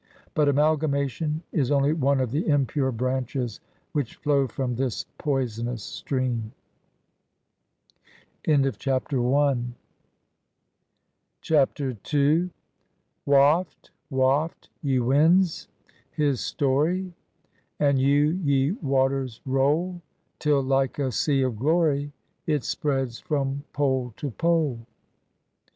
But amalgamation is only one of the impure branches which flow from this poisonous stream. 12 BIOGRAPHY OF CHAPTER II. " Waft, waft, ye winds, his story, And you, ye waters, roll, Till, like a sea of glory, It spreads from pole to pole.''